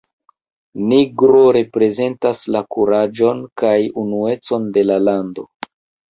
Nigro reprezentas la kuraĝon kaj unuecon de la lando.